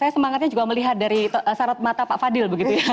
semangatnya juga melihat dari sarat mata pak fadil